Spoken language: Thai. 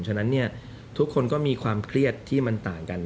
ฉะนั้นทุกคนก็มีความเครียดที่มันต่างกัน